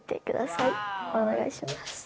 お願いします。